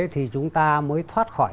thì chúng ta mới thoát khỏi